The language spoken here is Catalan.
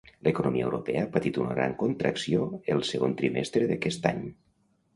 L'economia europea ha patit una gran contracció el segon trimestre d'aquest any.